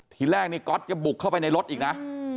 ทีแรกก็บุกเข้าไปในรถอีกนะ